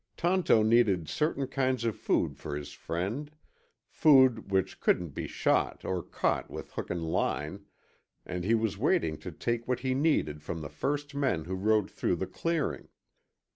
Tonto needed certain kinds of food for his friend, food which couldn't be shot or caught with hook and line, and he was waiting to take what he needed from the first men who rode through the clearing.